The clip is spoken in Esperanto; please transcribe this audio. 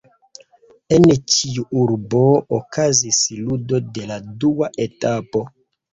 En ĉiu urbo okazis ludo de la dua etapo.